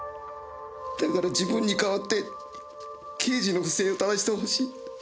だから自分に代わって刑事の不正をただしてほしい。